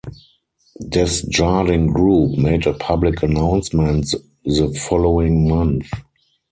Desjardin Group made a public announcement the following month.